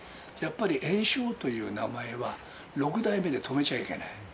やっぱり圓生という名前は、六代目で止めちゃいけない。